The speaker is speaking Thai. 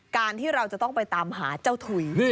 การที่เราจะต้องไปตามหาเจ้าถุย